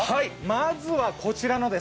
まずこちら。